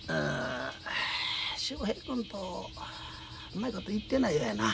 秀平君とうまいこといってないようやな。